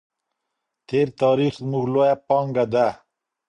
تېر تاریخ زموږ لویه پانګه ده.